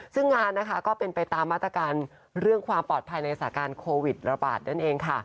ซึ่งงานนะคะก็เป็นไปตามมาตรการเรื่องความปลอดภัยในสถานการณ์โควิดระบาดนั่นเองค่ะ